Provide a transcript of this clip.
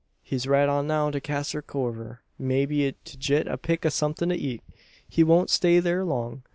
"He's rad on now to Casser Corver maybe to git a pick o' somethin' to eat. He won't stay thur long.